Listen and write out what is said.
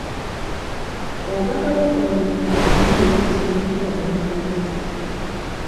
Obubaga bw'okumulimu ngeri nnungi ey'okuzimba enkolagana mu bakozi.